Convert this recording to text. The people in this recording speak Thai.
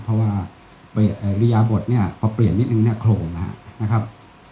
เพราะว่าริยาบทเนี่ยพอเปลี่ยนนิดนึงเนี่ยโขลงนะครับ